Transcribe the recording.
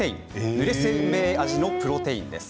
ぬれせんべい味のプロテインです。